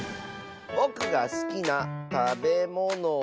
ぼくがすきなたべものは。